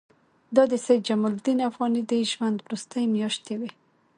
دا د سید جمال الدین افغاني د ژوند وروستۍ میاشتې وې.